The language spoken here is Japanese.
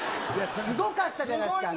すごかったじゃないですかね。